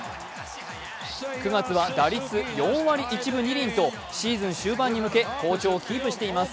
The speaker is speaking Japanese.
９月は打率４割１分２厘とシーズン終盤に向け好調をキープしています。